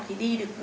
thì đi được